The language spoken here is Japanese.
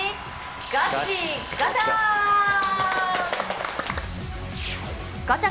ガチガチャ！